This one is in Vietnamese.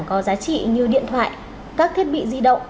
có giá trị như điện thoại các thiết bị di động